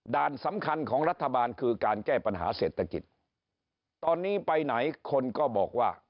สำคัญของรัฐบาลคือการแก้ปัญหาเศรษฐกิจตอนนี้ไปไหนคนก็บอกว่า